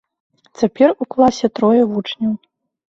Цяпер у класе трое вучняў.